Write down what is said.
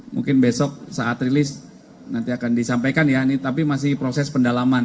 mungkin besok saat rilis nanti akan disampaikan ya ini tapi masih proses pendalaman